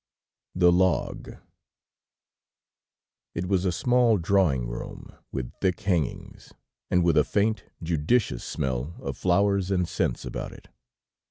THE LOG It was a small drawing room, with thick hangings, and with a faint, judicious smell of flowers and scents about it.